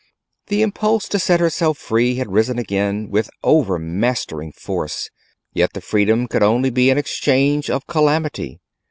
The impulse to set herself free had risen again with overmastering force; yet the freedom could only be an exchange of calamity.